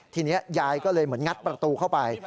ทีนี้ยายก็เลยเหมือนงัดประตูเข้าไป